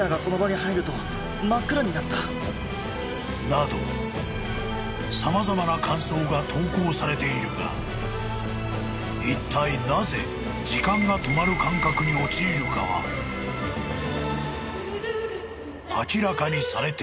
［など様々な感想が投稿されているがいったいなぜ時間が止まる感覚に陥るかは明らかにされていない］